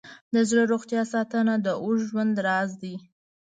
د زړه روغتیا ساتنه د اوږد ژوند راز دی.